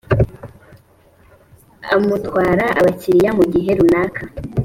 amutwara abakiriya mu gihe runaka